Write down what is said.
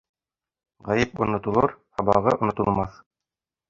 Ғәйеп онотолор, һабағы онотолмаҫ.